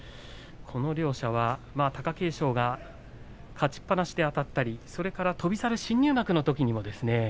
両者は貴景勝は勝ちっぱなしであたったり翔猿、新入幕のときもですね